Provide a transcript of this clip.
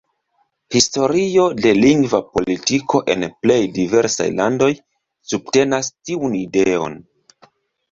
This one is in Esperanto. Historio de lingva politiko en plej diversaj landoj subtenas tiun ideon.